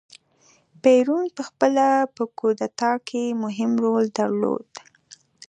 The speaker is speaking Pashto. پېرون په خپله په کودتا کې مهم رول درلود.